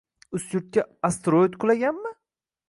Ustyurtga asteroid qulagan...mi?